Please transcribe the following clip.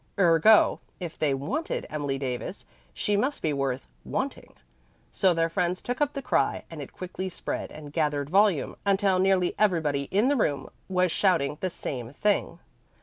Ergo, if they "wanted" Emily Davis, she must be worth "wanting." So their friends took up the cry, and it quickly spread and gathered volume, until nearly everybody in the room was shouting the same thing.